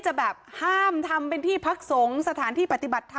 จะแบบห้ามทำเป็นที่พักสงฆ์สถานที่ปฏิบัติธรรม